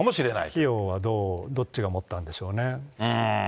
費用はどっちがもったんでしょうね。